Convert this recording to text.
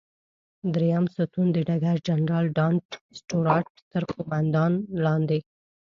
دریم ستون د ډګر جنرال ډانلډ سټیوارټ تر قوماندې لاندې.